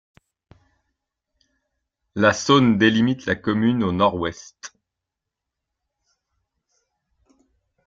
La Saône délimite la commune au nord-ouest.